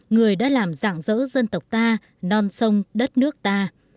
người đã làm dạng dỡ dân tộc ta non sông đất nước ta